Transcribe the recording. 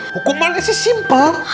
hukumannya sih simpel